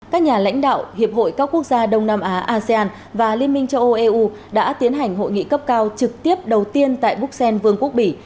các nhà lãnh đạo hiệp hội các quốc gia đông nam á asean và liên minh châu âu eu đã tiến hành hội nghị cấp cao trực tiếp đầu tiên tại bruxelles vương quốc bỉ